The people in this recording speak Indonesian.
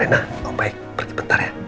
rena kamu baik pergi sebentar ya